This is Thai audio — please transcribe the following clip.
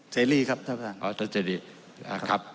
เสรีครับท่านประธาน